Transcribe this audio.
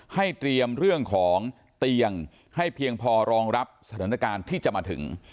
ให้เตรียมเรื่องของเตียงให้เพียงพอรองรับสถานการณ์ที่จะมาถึง